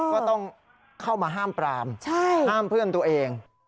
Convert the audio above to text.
ก็ต้องเข้ามาห้ามปรามห้ามเพื่อนตัวเอง